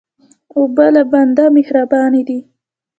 اوبه له بنده مهربانې دي.